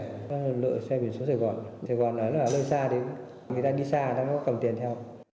nó là lợi xe biển số sài gòn sài gòn là lơi xa người ta đi xa nó có cầm tiền theo